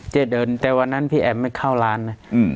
เดินแต่วันนั้นพี่แอมไม่เข้าร้านนะ